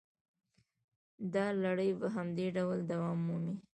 دا لړۍ په همدې ډول دوام مومي